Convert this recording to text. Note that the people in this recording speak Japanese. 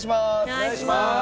お願いします。